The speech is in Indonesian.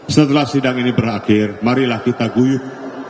setelah sidang ini berakhir marilah kita guyup